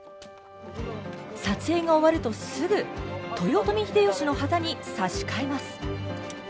撮影が終わるとすぐ豊臣秀吉の旗に差し替えます。